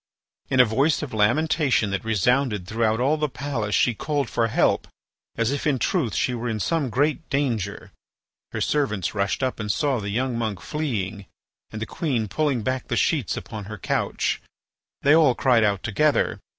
In a voice of lamentation that resounded throughout all the palace she called for help, as if, in truth, she were in some great danger. Her servants rushed up and saw the young monk fleeing and the queen pulling back the sheets upon her couch. They all cried out together.